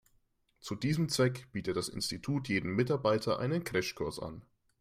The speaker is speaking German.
Zu diesem Zweck bietet das Institut jedem Mitarbeiter einen Crashkurs an.